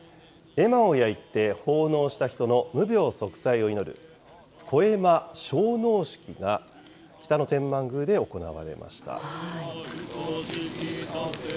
絵馬を焼いて奉納した人の無病息災を祈る、古絵馬焼納式が、北野天満宮で行われました。